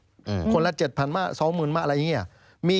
เพราะว่ารายเงินแจ้งไปแล้วเพราะว่านายจ้างครับผมอยากจะกลับบ้านต้องรอค่าเรนอย่างนี้